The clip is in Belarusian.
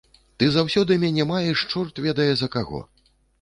Ты заўсёды мяне маеш чорт ведае за каго.